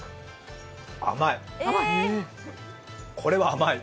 甘い！